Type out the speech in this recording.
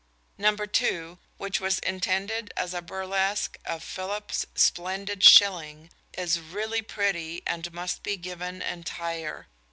_ Number two, which was intended as a burlesque of Philips's "Splendid Shilling," is really pretty and must be given entire.